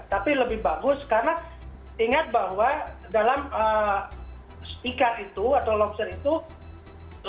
tapi lebih bagus karena ingat bahwa dalam speaker itu atau lobster itu